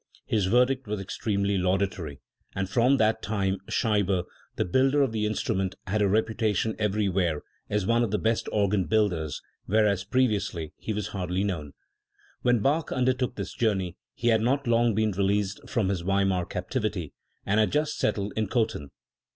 His verdict was extremely laudatory; and from that time Scheibe, the builder of the instrument, had a reputation everywhere as one of the best organ builders, whereas previously he was hardly known. When Bach undertook this journey, he had not long been released from his Weimar captivity, and had just settled in Cothen.